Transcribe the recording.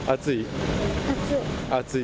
暑い？